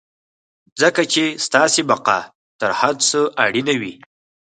ځکه چې ستاسې بقا تر هر څه اړينه وي.